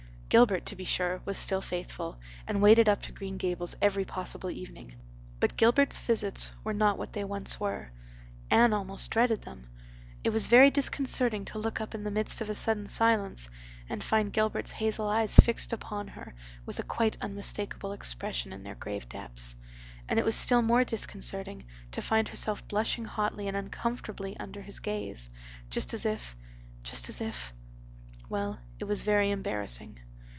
Gilbert, to be sure, was still faithful, and waded up to Green Gables every possible evening. But Gilbert's visits were not what they once were. Anne almost dreaded them. It was very disconcerting to look up in the midst of a sudden silence and find Gilbert's hazel eyes fixed upon her with a quite unmistakable expression in their grave depths; and it was still more disconcerting to find herself blushing hotly and uncomfortably under his gaze, just as if—just as if—well, it was very embarrassing.